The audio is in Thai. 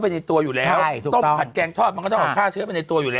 ในตัวอยู่แล้วต้มผัดแกงทอดมันก็ต้องเอาฆ่าเชื้อไปในตัวอยู่แล้ว